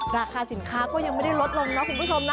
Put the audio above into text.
ราคาสินค้าก็ยังไม่ได้ลดลงนะคุณผู้ชมนะ